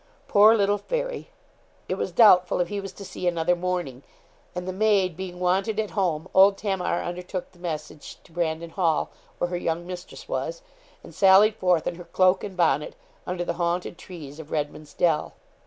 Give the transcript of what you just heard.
Poor little Fairy; it was doubtful if he was to see another morning; and the maid being wanted at home, old Tamar undertook the message to Brandon Hall, where her young mistress was, and sallied forth in her cloak and bonnet, under the haunted trees of Redman's Dell.